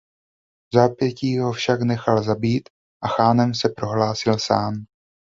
Vzápětí ho však nechal zabít a chánem se prohlásil sám.